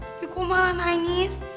tapi kok malah nangis